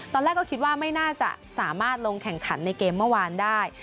ตอนแรกก็คิดว่าไม่น่าจะสามารถลงแข่งขันในเกมเมื่อวานได้